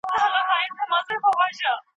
ډاکتر لطیف بهاند د دې کتاب په اړه معلومات ورکوي.